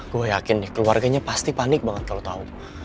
gue yakin nih keluarganya pasti panik banget kalo tau